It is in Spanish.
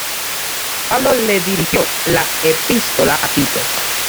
Pablo le dirigió la Epístola a Tito.